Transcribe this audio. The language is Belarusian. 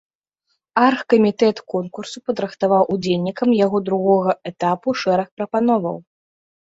Аргкамітэт конкурсу падрыхтаваў удзельнікам яго другога этапу шэраг прапановаў.